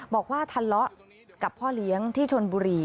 บอกว่าทะเลาะกับพ่อเลี้ยงที่ชนบุรี